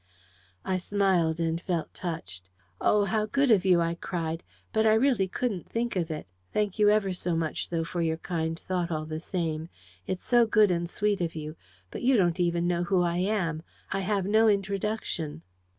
I smiled, and felt touched. "Oh, how good of you!" I cried. "But I really couldn't think of it. Thank you ever so much, though, for your kind thought, all the same. It's so good and sweet of you. But you don't even know who I am. I have no introduction."